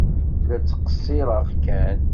La ttqeṣṣireɣ kan.